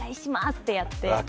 ってやって。